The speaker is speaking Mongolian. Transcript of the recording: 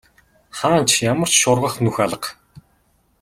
Хаана ч ямар ч шургах нүх алга.